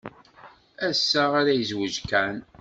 Ass-a ara yezweǧ Kan.